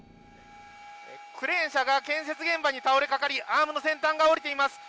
クレーン車が建設現場に倒れ掛かりアームの先端が折れています。